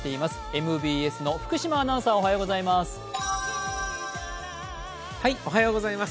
ＭＢＳの福島アナウンサー、おはようございます。